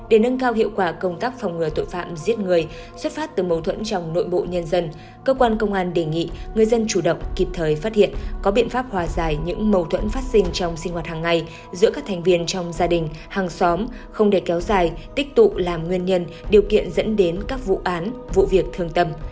để nâng cao hiệu quả công tác phòng ngừa tội phạm giết người xuất phát từ mâu thuẫn trong nội bộ nhân dân cơ quan công an đề nghị người dân chủ động kịp thời phát hiện có biện pháp hòa giải những mâu thuẫn phát sinh trong sinh hoạt hàng ngày giữa các thành viên trong gia đình hàng xóm không để kéo dài tích tụ làm nguyên nhân điều kiện dẫn đến các vụ án vụ việc thường tầm